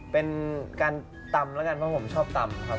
เป็นการตำแล้วกันเพราะผมชอบตำครับ